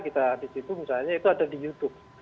kita disitu misalnya itu ada di youtube